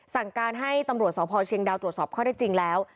สั่งการให้ตำรวจสพเชียงดาวตรวจสอบข้อได้จริงแล้ว